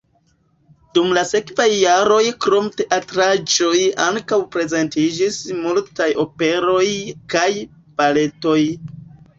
Dum la sekvaj jaroj krom teatraĵoj ankaŭ prezentiĝis multaj operoj kaj baletoj.